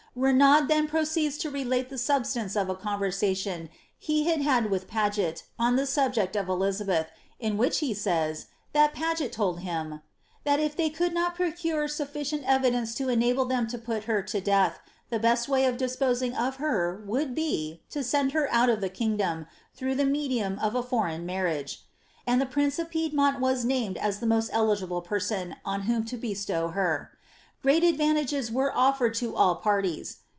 Henaud then proceeds to relate the substance of a conversation he had had with Paget, on the subject of Elizabeth, in which he says, that Piget told him, ^ that if they could not procure sufficient evidence to enable them to put her to death, the best way of disposing of her would be. to send her out of the kingdom, through the medium of a foreign marriage," and the prince of Piedmont was named as the most eligible person on whom to bestow her. Great advantages were oflered to all parties.